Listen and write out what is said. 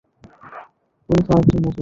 উনি তো একজন মুসলমান।